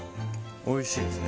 美味しいですね。